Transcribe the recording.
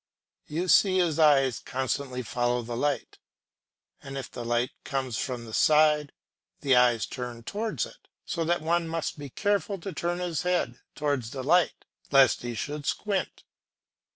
You see his eyes constantly follow the light, and if the light comes from the side the eyes turn towards it, so that one must be careful to turn his head towards the light lest he should squint.